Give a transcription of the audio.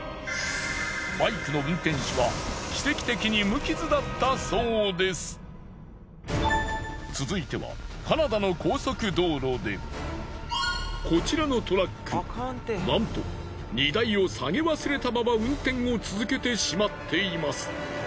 バイクの運転手は続いてはカナダの高速道路でこちらのトラックなんと荷台を下げ忘れたまま運転を続けてしまっています。